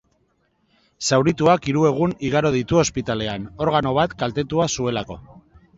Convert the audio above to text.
Zaurituak hiru egun igaro ditu ospitalean, organo bat kaltetuta zuelako.